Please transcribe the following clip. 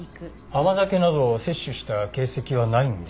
甘酒などを摂取した形跡はないんですね。